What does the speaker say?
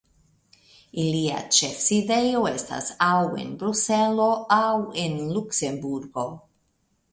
Ilia ĉefsidejo estas aŭ en Bruselo aŭ en Luksemburgo.